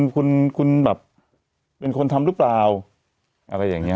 พี่ก็ทำเสียงธรรมดาอะไรอย่างนี้